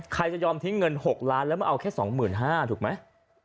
จะยอมทิ้งเงิน๖ล้านแล้วมาเอาแค่๒๕๐๐ถูกไหม